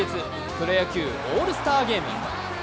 プロ野球オールスターゲーム。